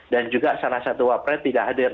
dan juga salah satu wapret tidak hadir